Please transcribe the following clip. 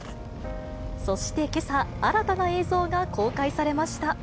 そしてけさ、新たな映像が公開されました。